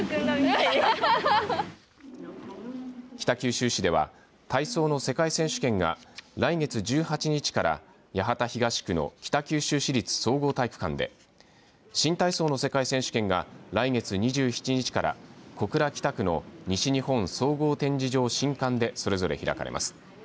北九州市では体操の世界選手権が来月１８日から八幡東区の北九州市立総合体育館で新体操の世界選手権が来月２７日から小倉北区の西日本総合展示場新館でそれぞれ開かれます。